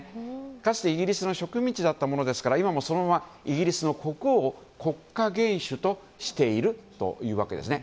かつてイギリスの植民地だったものですから今もそのままイギリスの国王を国家元首としているというわけですね。